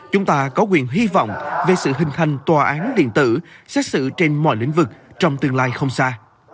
chúng ta có quyền hy vọng về sự hình thành tòa án điện tử xét xử trên mọi lĩnh vực trong tương lai không xa